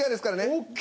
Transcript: ＯＫ！